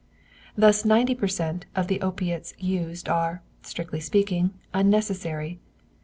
Thus ninety per cent. of the opiates used are, strictly speaking, unnecessary.